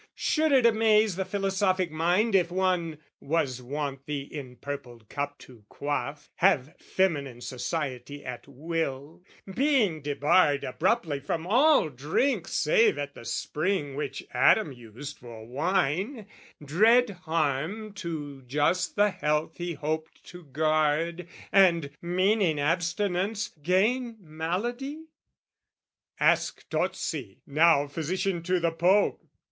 Should it amaze the philosophic mind If one, was wont the enpurpled cup to quaff, Have feminine society at will, Being debarred abruptly from all drink Save at the spring which Adam used for wine, Dread harm to just the health he hoped to guard, And, meaning abstinence, gain malady? Ask Tozzi, now physician to the Pope!